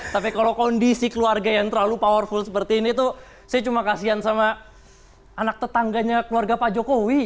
tapi kalau kondisi keluarga yang terlalu powerful seperti ini tuh saya cuma kasihan sama anak tetangganya keluarga pak jokowi